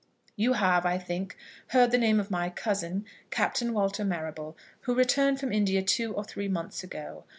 You have, I think, heard the name of my cousin, Captain Walter Marrable, who returned from India two or three months ago.